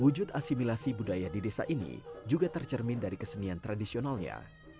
wujud asimilasi budaya di desa ini juga tercermin dari kesenian tradisionalnya